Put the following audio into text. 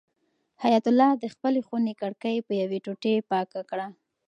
حیات الله د خپلې خونې کړکۍ په یوې ټوټې پاکه کړه.